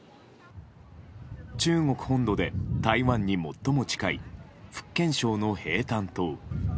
中国本土で台湾に最も近い福建省の平潭島。